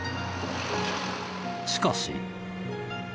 しかし。